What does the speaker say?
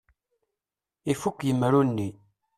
Ifukk yemru-nni.